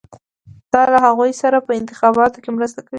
دا له هغوی سره په انتخاباتو کې مرسته کوي.